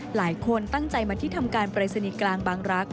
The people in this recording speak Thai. หลายคนตั้งใจมาที่ทำการปรายศนีย์กลางบางรักษ